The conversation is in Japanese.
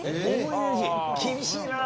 厳しいなぁ。